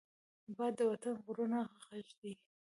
باد د وطن د غرونو غږ دی